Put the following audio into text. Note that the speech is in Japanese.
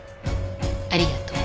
ありがとう。